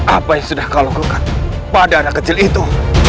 apa yang sudah kau lakukan pada anak kecil itu